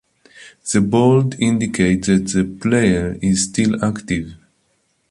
The bold indicates that the player is still active